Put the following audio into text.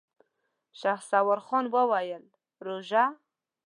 شهسوار خان وويل: روژه؟!